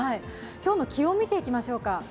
今日の気温見ていきましょうか。